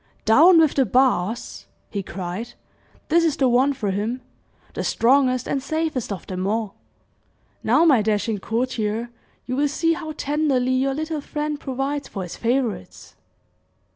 "Down with the bars!" he cried. "This is the one for him the strongest and safest of them all. Now, my dashing courtier, you will see how tenderly your little friend provides for his favorites!"